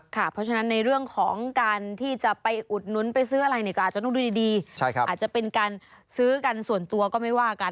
เพราะฉะนั้นในเรื่องของการที่จะไปอุดหนุนไปซื้ออะไรเนี่ยก็อาจจะต้องดูดีอาจจะเป็นการซื้อกันส่วนตัวก็ไม่ว่ากัน